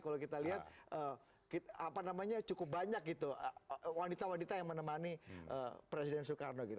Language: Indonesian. kalau kita lihat cukup banyak gitu wanita wanita yang menemani presiden soekarno gitu